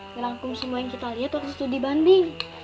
ngerangkum semua yang kita liat waktu studi banding